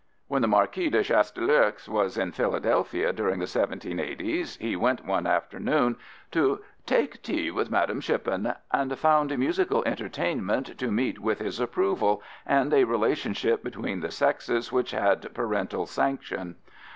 When the Marquis de Chastellux was in Philadelphia during the 1780's he went one afternoon to "take tea with Madam Shippen," and found musical entertainment to meet with his approval and a relationship between the sexes which had parental sanction.